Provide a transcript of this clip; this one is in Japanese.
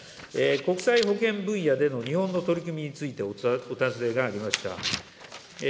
国際保健分野での日本の取り組みについて、お尋ねがありました。